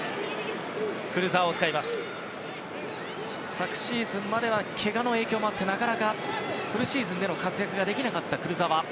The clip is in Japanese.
昨シーズンまではけがの影響もあってなかなかフルシーズンで活躍ができなかったクルザワ。